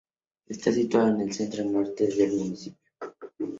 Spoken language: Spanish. Está situado en el centro-norte del municipio.